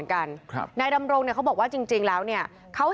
แล้วก็ได้คุยกับนายวิรพันธ์สามีของผู้ตายที่ว่าโดนกระสุนเฉียวริมฝีปากไปนะคะ